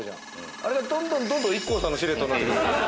あれが、どんどんＩＫＫＯさんのシルエットになってくる。